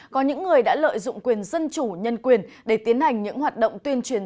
có những người đã lợi dụng quyền dân chủ nhân quyền để tiến hành những hoạt động tuyên truyền